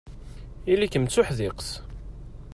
Ili-kem d tuḥdiqt.